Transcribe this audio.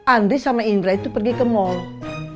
andri sama indra itu pergi ke mall